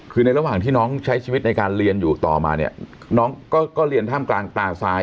คือในระหว่างที่น้องใช้ชีวิตในการเรียนอยู่ต่อมาเนี่ยน้องก็เรียนท่ามกลางตาซ้าย